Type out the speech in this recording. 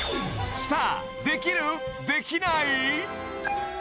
スターできる？できない？